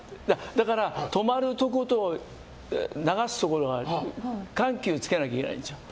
だから、止まるところと流すところが緩急つけなきゃなんですよ。